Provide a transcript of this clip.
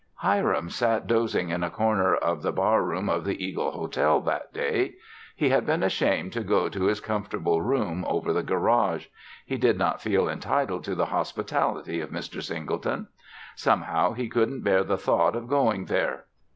Hiram sat dozing in a corner of the bar room of the Eagle Hotel that day. He had been ashamed to go to his comfortable room over the garage. He did not feel entitled to the hospitality of Mr. Singleton. Somehow, he couldn't bear the thought of going there.